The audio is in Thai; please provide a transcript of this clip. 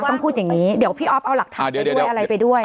ต้องพูดอย่างนี้เดี๋ยวพี่อ๊อฟเอาหลักฐานด้วยอะไรไปด้วย